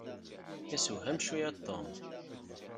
Isewham cwiya Tom.